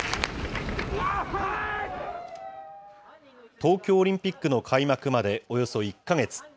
東京オリンピックの開幕までおよそ１か月。